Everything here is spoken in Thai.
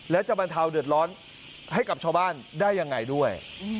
และจะบรรเทาเดือดร้อนให้กับชาวบ้านได้ยังไงด้วย